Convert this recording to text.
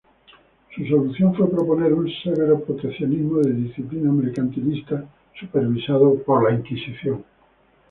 Su solución fue proponer un severo Proteccionismo de disciplina mercantilista supervisado por la Inquisición.